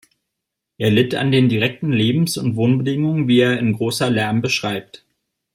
Er litt an den direkten Lebens- und Wohnbedingungen, wie er in "Großer Lärm" beschreibt.